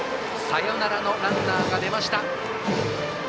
サヨナラのランナーが出ました。